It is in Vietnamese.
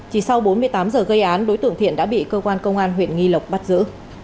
chỉ sau bốn mươi tám giờ gây án đối tượng thiện đã bị cơ quan công an huyện nghi lộc bắt giữ